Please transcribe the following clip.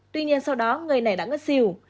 tuy nhiên sau đó người này đã ngất xỉu